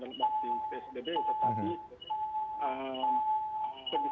maka pembatasan yang diperketat